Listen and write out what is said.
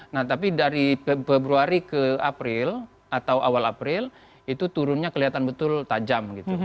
nah tapi dari februari ke april atau awal april itu turunnya kelihatan betul tajam gitu